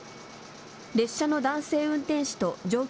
列車の男性運転士と乗客